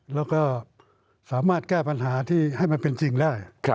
แล้วก็สามารถแก้ปัญหาที่ให้มันเป็นจริงได้